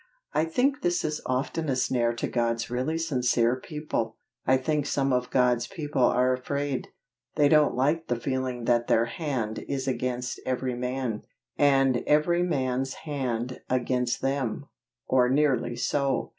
I think this is often a snare to God's really sincere people. I think some of God's people are afraid; they don't like the feeling that their hand is against every man, and every man's hand against them, or nearly so.